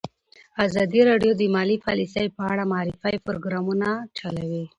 ازادي راډیو د مالي پالیسي په اړه د معارفې پروګرامونه چلولي.